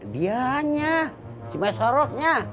dianya si mesaroknya